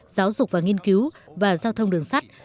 giáo dục và nghiên cứu và giao thông đường sắt